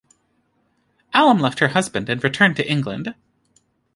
Alam left her husband and returned to England.